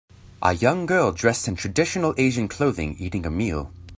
A young girl dressed in traditional Asian clothing eating a meal.